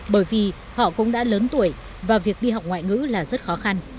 bởi vì họ cũng đã lớn tuổi và việc đi học ngoại ngữ là rất khó khăn